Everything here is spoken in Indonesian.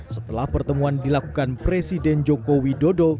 setelah pertemuan dilakukan presiden joko widodo